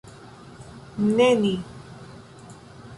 Ne ni.